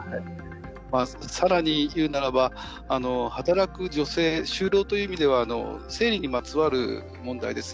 さらに言うならば働く女性、就労という意味では生理にまつわる問題ですね